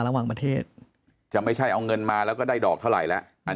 ระหว่างประเทศจะไม่ใช่เอาเงินมาแล้วก็ได้ดอกเท่าไหร่แล้ว